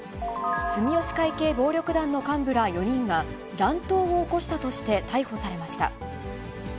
住吉会系暴力団の幹部ら４人が、乱闘を起こしたとして逮捕されました。